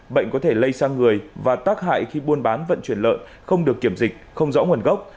bệnh có thể lây sang người và tác hại khi buôn bán vận chuyển lợn không được kiểm dịch không rõ nguồn gốc